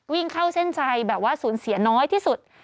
วิ่งเข้าเส้นชัยแบบว่าสูญเสียน้อยที่สุด